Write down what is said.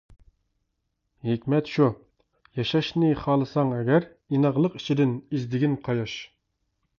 ھېكمەت شۇ: ياشاشنى خالىساڭ ئەگەر، ئىناقلىق ئىچىدىن ئىزدىگىن قاياش.